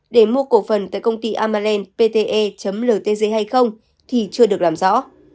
để mua cổ phần tại công ty amalent pte ltg hay không thì chưa được làm rõ